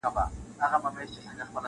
• بزګر وویل غویی چي ستړی کېږي -